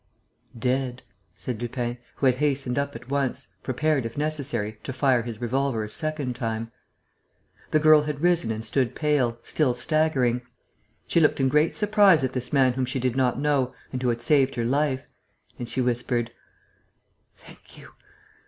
"Dead," said Lupin, who had hastened up at once, prepared, if necessary, to fire his revolver a second time. The girl had risen and stood pale, still staggering. She looked in great surprise at this man whom she did not know and who had saved her life; and she whispered: "Thank you....